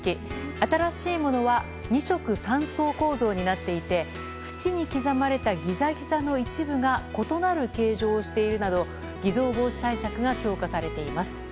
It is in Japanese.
新しいものは２色３層構造になっていて縁に刻まれたギザギザの一部が異なる形状をしているなど偽造防止対策が強化されています。